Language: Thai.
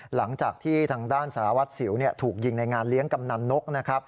หลังจากที่ทางด้านสารวัตรสิวถูกยิงในงานเลี้ยงกำนันนกนะครับ